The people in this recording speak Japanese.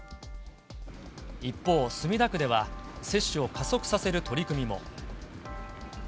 一方、墨田区では、接種を加速させる取り組みも。